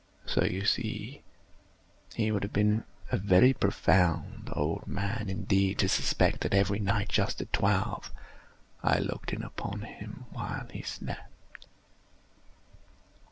So you see he would have been a very profound old man, indeed, to suspect that every night, just at twelve, I looked in upon him while he slept.